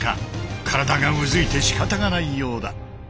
体がうずいてしかたがないようだ。